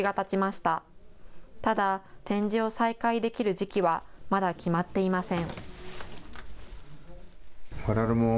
ただ展示を再開できる時期はまだ決まっていません。